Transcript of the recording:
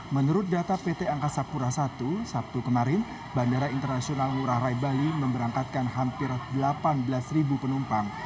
menurut data pt angkasa pura i sabtu kemarin bandara internasional ngurah rai bali memberangkatkan hampir delapan belas penumpang